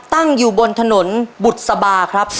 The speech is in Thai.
ตั้งอยู่บนถนนบุษบาครับ